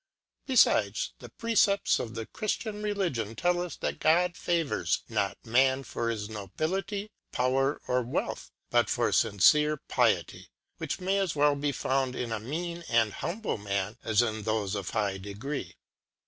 Be fides, the Precepts of the Chriftian Religion tell us that God favours not Man for his Nobility, Power, or Wealth, but for fmcere Piety ^ which may as well be found in a mean and humble Man, as in thofe of high degree.